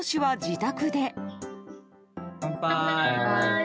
乾杯！